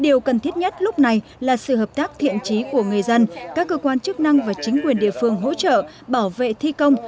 điều cần thiết nhất lúc này là sự hợp tác thiện trí của người dân các cơ quan chức năng và chính quyền địa phương hỗ trợ bảo vệ thi công